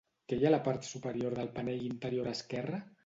Què hi ha a la part superior del panell interior esquerre?